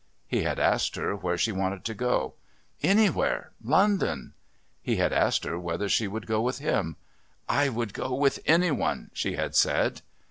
He had asked her where she wanted to go. "Anywhere London." He had asked her whether she would go with him. "I would go with any one," she had said.